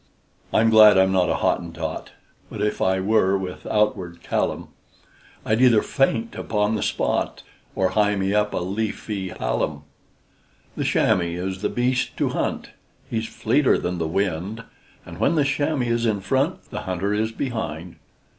I'm glad I'm not a Hottentot, But if I were, with outward cal lum I'd either faint upon the spot Or hie me up a leafy pal lum. The chamois is the beast to hunt; He's fleeter than the wind, And when the chamois is in front, The hunter is behind.